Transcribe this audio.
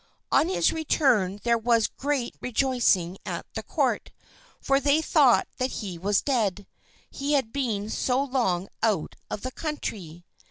On his return there was great rejoicing at the court, for they thought that he was dead, he had been so long out of the country.